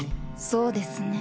そうですね。